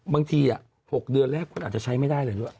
บางที๖เดือนแรกคุณอาจจะใช้ไม่ได้เลยด้วย